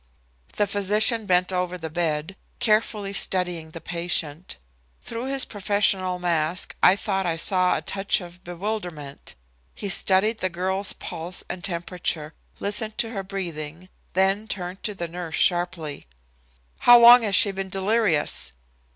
The physician bent over the bed, carefully studying the patient. Through his professional mask I thought I saw a touch of bewilderment. He studied the girl's pulse and temperature, listened to her breathing, then turned to the nurse sharply. "How long has she been delirious?"